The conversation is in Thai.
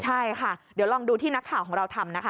ใช่ค่ะเดี๋ยวลองดูที่นักข่าวของเราทำนะคะ